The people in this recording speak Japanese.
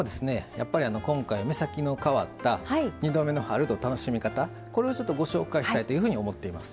やっぱり今回目先の変わった「２度目の春」の楽しみ方これをご紹介したいと思っています。